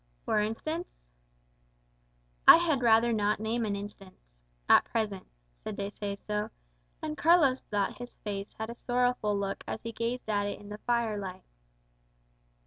"For instance?" "I had rather not name an instance at present," said De Seso, and Carlos thought his face had a sorrowful look as he gazed at it in the firelight.